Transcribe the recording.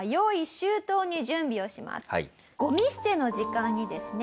ゴミ捨ての時間にですね